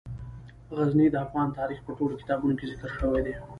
غزني د افغان تاریخ په ټولو کتابونو کې ذکر شوی دی.